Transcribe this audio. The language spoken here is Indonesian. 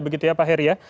begitu ya pak heri ya